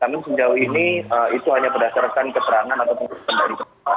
namun sejauh ini itu hanya berdasarkan keterangan atau penyelidikan